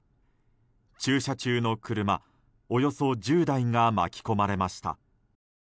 駐車中の車、およそ１０台が巻き込まれました。